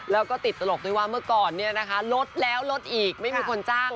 แล้วก็ติดตลกด้วยว่าเมื่อก่อนเนี่ยนะคะลดแล้วลดอีกไม่มีคนจ้าง